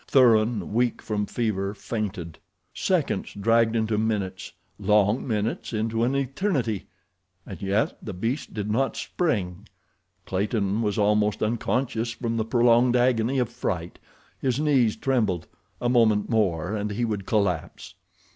Thuran, weak from fever, fainted. Seconds dragged into minutes, long minutes into an eternity, and yet the beast did not spring. Clayton was almost unconscious from the prolonged agony of fright—his knees trembled—a moment more and he would collapse.